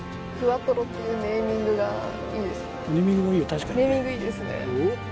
確かにねネーミングいいですね